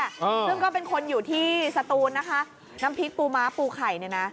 ซึ่งก็เป็นคนอยู่ที่สตูนนะคะน้ำพริกปูม้าปูไข่เนี่ยนะ